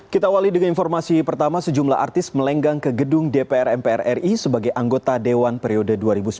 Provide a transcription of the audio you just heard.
kita awali dengan informasi pertama sejumlah artis melenggang ke gedung dpr mpr ri sebagai anggota dewan periode dua ribu sembilan belas dua ribu dua